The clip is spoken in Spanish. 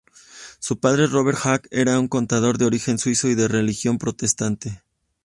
Su padre Robert Hack, era un contador de origen suizo y de religión protestante.